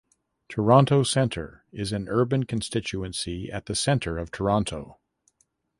Toronto Centre is an urban constituency at the centre of Toronto.